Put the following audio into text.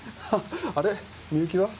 あれみゆきは？